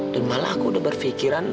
dan malah aku udah berpikiran